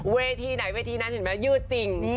เวทีไหนที่น่ะเห็นมั้ยยืดจิ้ง